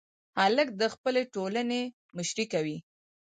هلک د خپلې ټولنې مشري کوي.